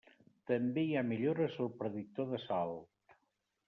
També hi ha millores al predictor de salt.